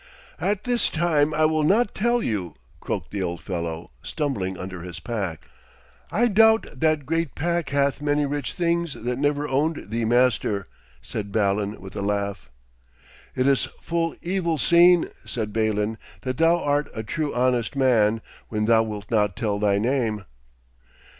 'At this time I will not tell you,' croaked the old fellow, stumbling under his pack. 'I doubt that great pack hath many rich things that never owned thee master,' said Balan with a laugh. 'It is full evil seen,' said Balin, 'that thou art a true honest man, when thou wilt not tell thy name.'